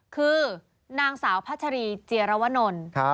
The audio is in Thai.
คือนางสาวพัชรีเจียรวนล